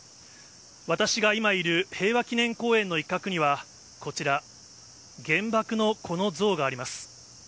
私が今いる平和記念公園の一角には、こちら、原爆の子の像があります。